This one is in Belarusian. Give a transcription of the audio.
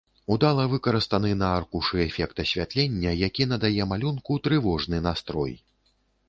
Удала выкарыстаны на аркушы эфект асвятлення, які надае малюнку трывожны настрой.